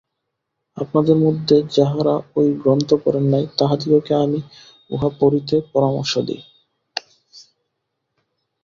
আপনাদের মধ্যে যাঁহারা ঐ গ্রন্থ পড়েন নাই, তাঁহাদিগকে আমি উহা পড়িতে পরামর্শ দিই।